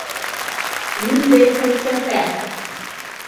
Ниндәй фәлсәфә!